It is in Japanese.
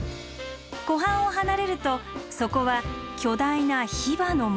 湖畔を離れるとそこは巨大なヒバの森。